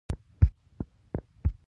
په لوستې ښځه کورنۍ ښايسته کېږي